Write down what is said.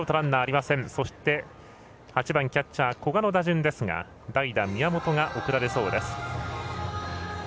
そして、８番キャッチャー古賀の打順ですが代打、宮本が送られそうです。